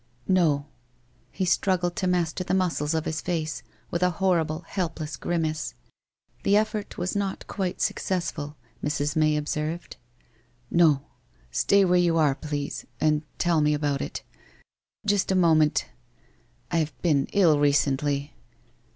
' No/ He struggled to master the muscles of his face, with a horrible, helpless grimace. The effort was not quite successful, Mrs. May observed. ' No. Stay where you are. please, and tell me about it. Just a moment I ... I have been ill, recently.